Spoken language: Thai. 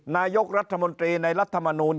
นายกรัฐมนตรีในรัฐมนูล